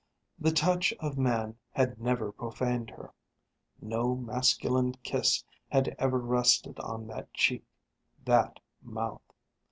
The touch of man had never profaned her. No masculine kiss had ever rested on that cheek, that mouth.